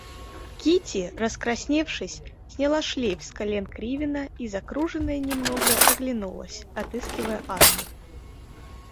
Кити, раскрасневшись, сняла шлейф с колен Кривина и, закруженная немного, оглянулась, отыскивая Анну.